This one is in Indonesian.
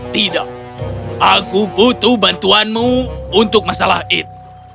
tidak aku butuh bantuanmu untuk masalah eat